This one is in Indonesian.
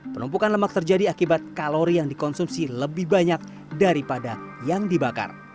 penumpukan lemak terjadi akibat kalori yang dikonsumsi lebih banyak daripada yang dibakar